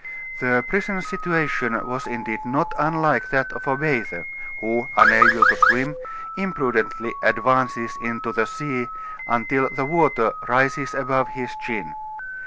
The prisoner's situation was indeed not unlike that of a bather, who, unable to swim, imprudently advances into the sea until the water rises above his chin.